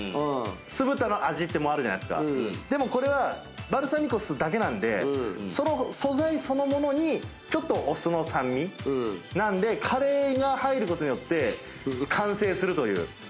酢豚の味ってあるじゃないこれはバルサミコ酢だけなんで素材そのものにちょっとお酢の酸味なんでカレーが入ることによって完成するという。